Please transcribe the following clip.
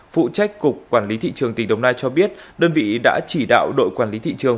phụ trách cục quản lý thị trường tỉnh đồng nai cho biết đơn vị đã chỉ đạo đội quản lý thị trường